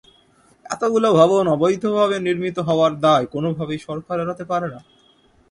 এতগুলো ভবন অবৈধভাবে নির্মিত হওয়ার দায় কোনোভাবেই সরকার এড়াতে পারে না।